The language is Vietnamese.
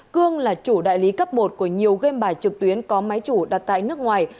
cương là chủ đại lý cấp một của nhiều game bài trực tuyến có máy chủ đặt tại nước ngoài